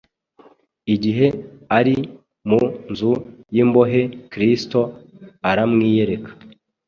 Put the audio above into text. Igihe ari mu nzu y’imbohe, Kristo aramwiyereka